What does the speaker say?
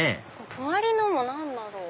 隣のも何だろう？